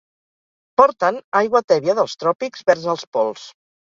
Porten aigua tèbia dels tròpics vers als pols.